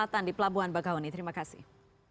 tandip pelabuhan bagauni terima kasih